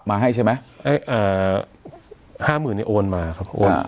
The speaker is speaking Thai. มาให้ใช่ไหมเอ่อห้าหมื่นเนี่ยโอนมาครับโอน